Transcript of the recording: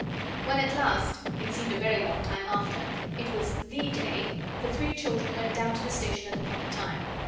When at last it seemed a very long time after it was THE day, the three children went down to the station at the proper time.